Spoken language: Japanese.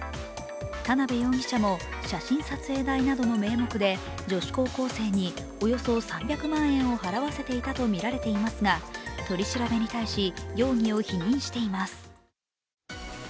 田辺容疑者も写真撮影代などの名目で女子高校生におよそ３００万円を払わせていたとみられていますが取り調べに対し容疑を否認しています。